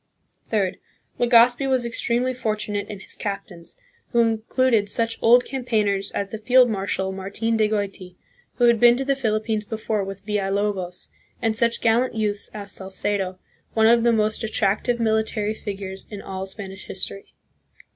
Third. Legazpi was extremely fortunate in his cap tains, who included such old campaigners as the field marshal Martin de Goiti, who had been to the Philippines before with Villalobos, and such gallant youths as Salcedo, one of the most attractive military figures in all Spanish history.